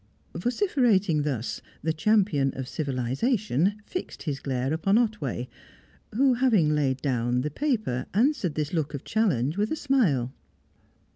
Vociferating thus, the champion of civilisation fixed his glare upon Otway, who, having laid down the paper, answered this look of challenge with a smile.